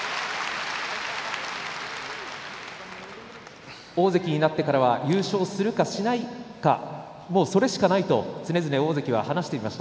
拍手大関になってからは優勝するか、しないかそれしかないと常々、大関は話していました。